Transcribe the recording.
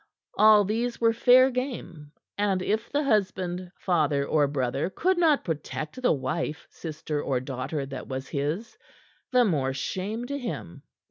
All these were fair game, and if the husband, father or brother could not protect the wife, sister or daughter that was his, the more shame to him.